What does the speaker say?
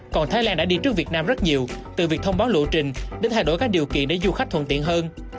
còn thái lan đã đi trước việt nam rất nhiều từ việc thông báo lộ trình đến thay đổi các điều kiện để du khách thuận tiện hơn